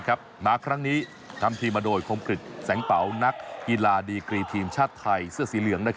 มาครั้งนี้ทำทีมาโดยคมกริจแสงเป๋านักกีฬาดีกรีทีมชาติไทยเสื้อสีเหลือง